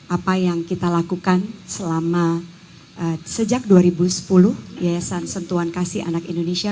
apa yang kita lakukan selama sejak dua ribu sepuluh yayasan sentuhan kasih anak indonesia